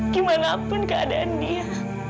dimanapun keadaan dia